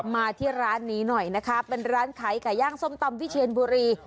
มาที่ร้านนี้หน่อยนะคะเป็นร้านขายไก่ย่างส้มตำวิเชียนบุรี